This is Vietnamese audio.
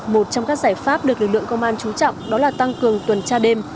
một trong các giải pháp được lực lượng công an trú trọng đó là tăng cường tuần tra đêm